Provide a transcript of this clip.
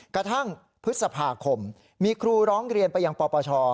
กระทั่งพฤษภาคมมีครูร้องเรียนไปยังปปช